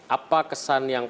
apa kesan yang